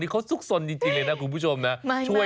นี่เขาซุกสนจริงจริงเลยนะคุณผู้ชมนะไม่